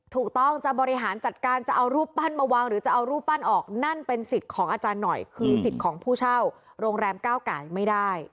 ถูกต้องจะบริหารจัดการจะเอารูปปั้นมาวางหรือจะเอารูปปั้นออกนั่นเป็นสิทธิ์ของอาจารย์หน่อยคือสิทธิ์ของผู้เช่าโรงแรมเก้าไก่ไม่ได้